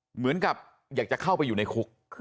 เหมือนกับอยากจะเข้าไปอยู่ในคุก